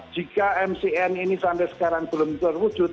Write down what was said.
jika mcn ini sampai sekarang belum terwujud